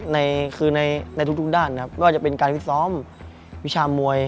ในคือในทุกด้านนะครับไม่ว่าจะเป็นการวิซ้อมวิชามวย